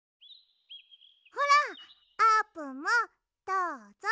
ほらあーぷんもどうぞ。